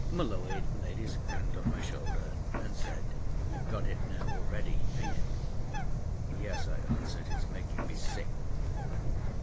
M'Leod laid his hand on my shoulder, and said "You've got it now already, ain't it?" "Yes," I answered. "It's making me sick!"